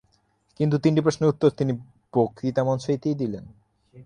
কিন্তু তিনটি প্রশ্নের উত্তর তিনি বক্তৃতামঞ্চ হইতেই দিলেন।